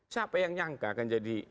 siapa yang nyangka akan jadi